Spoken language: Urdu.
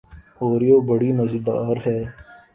اوروہ بڑی مزیدار ہے۔